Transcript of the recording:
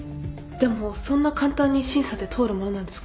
でもそんな簡単に審査って通るものなんですか？